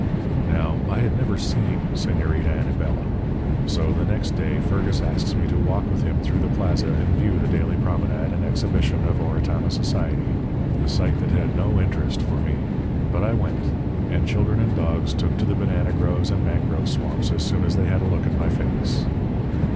"Now, I had never seen Señorita Anabela. So, the next day Fergus asks me to walk with him through the plaza and view the daily promenade and exhibition of Oratama society, a sight that had no interest for me. But I went; and children and dogs took to the banana groves and mangrove swamps as soon as they had a look at my face.